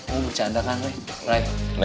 ini bercanda kan ray